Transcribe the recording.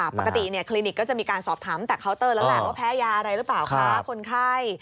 ปกติคลินิกก็จะมีการสอบถามแต่เคาน์เตอร์แล้วแหละว่าแพ้ยาอะไรหรือเปล่าคะคนไข้